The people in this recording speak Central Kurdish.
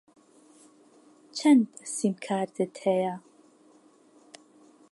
چەند سیمکارتت هەیە؟